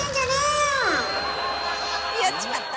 やっちまった！